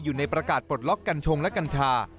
อยู่ในประกาศปลดล็อกกัญชงและกัญชา